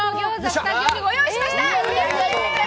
スタジオにご用意しました。